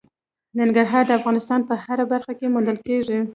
ننګرهار د افغانستان په هره برخه کې موندل کېږي.